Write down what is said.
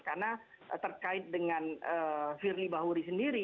karena terkait dengan firly bahuri sendiri